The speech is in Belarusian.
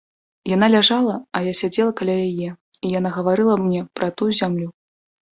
Яна ляжала, а я сядзела каля яе, і яна гаварыла мне пра тую зямлю.